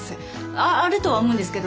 ああるとは思うんですけど。